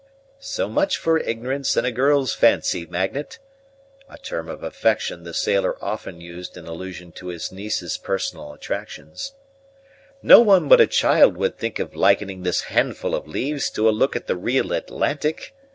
"So much for ignorance, and a girl's fancy, Magnet," a term of affection the sailor often used in allusion to his niece's personal attractions; "no one but a child would think of likening this handful of leaves to a look at the real Atlantic.